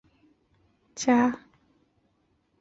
无法防范浏览器首页绑架。